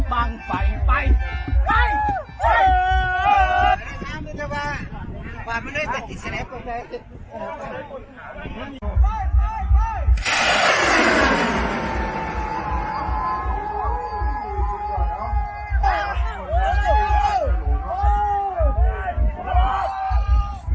มันตัดน้ำแล้วอืดกูอุดเจียน